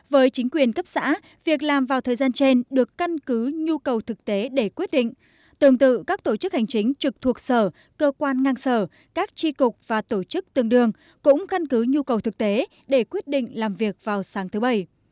với chính quyền cấp xã việc làm vào thời gian trên được căn cứ nhu cầu thực tế để quyết định tương tự các tổ chức hành chính trực thuộc sở cơ quan ngang sở các tri cục và tổ chức tương đương cũng căn cứ nhu cầu thực tế để quyết định làm việc vào sáng thứ bảy